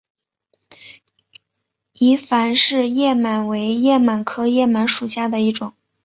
伊凡氏叶螨为叶螨科叶螨属下的一个种。